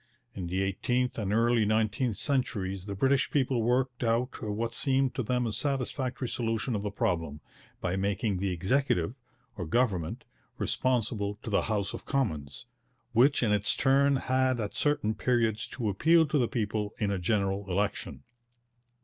In the eighteenth and early nineteenth centuries the British people worked out what seemed to them a satisfactory solution of the problem, by making the Executive, or Government, responsible to the House of Commons, which in its turn had at certain periods to appeal to the people in a general election.